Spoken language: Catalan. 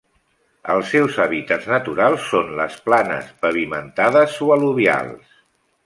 Els seus hàbitats naturals són les planes pavimentades o al·luvials.